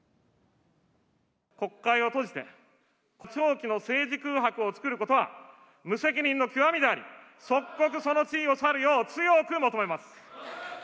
国会を閉じて、長期の政治空白を作ることは無責任の極みであり、即刻その地位を去るよう強く求めます。